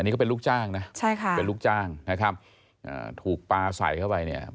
นี่เขาเป็นลูกจ้างนะใช่ค่ะเป็นลูกจ้างนะครับอ่าถูกปลาใส่เข้าไปเนี่ย